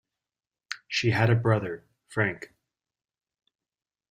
She had a brother, Frank.